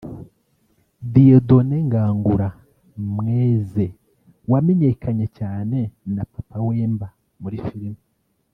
Dieudonné Ngangura Mweze wamenyanye cyane na Papa Wemba muri filime